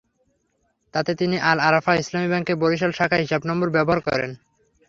তাতে তিনি আল-আরাফাহ ইসলামী ব্যাংকের বরিশাল শাখার হিসাব নম্বর ব্যবহার করেন।